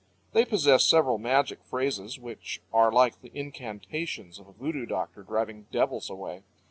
They possess several magic phrases, which are like the incantations of a voodoo doctor driving devils away.